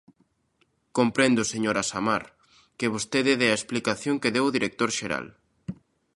Comprendo, señora Samar, que vostede dea a explicación que deu o director xeral.